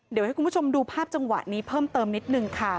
เดี๋ยวให้คุณผู้ชมดูภาพจังหวะนี้เพิ่มเติมนิดนึงค่ะ